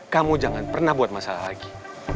kamu jangan pernah buat masalah lagi